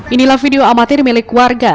inilah video amatir milik warga